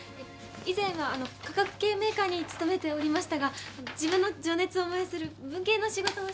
以前は化学系メーカーに勤めておりましたが自分の情熱を燃やせる文系の仕事をしたいと。